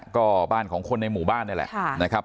ก็บ้านของคนในหมู่บ้านนี่แหละนะครับ